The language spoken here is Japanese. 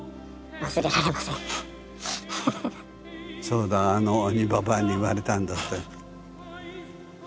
「そうだあの鬼ばばあに言われたんだ」って。